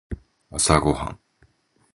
朝ごはん